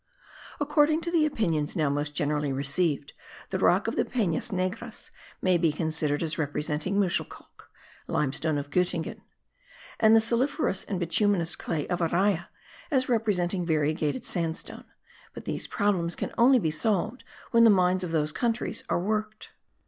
According to the opinions now most generally received, the rock of the Penas Negras may be considered as representing muschelkalk (limestone of Gottingen); and the saliferous and bituminous clay of Araya, as representing variegated sandstone; but these problems can only be solved when the mines of those countries are worked.